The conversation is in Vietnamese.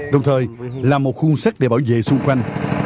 đồng thời làm một khuôn sắc để bảo vệ xung quanh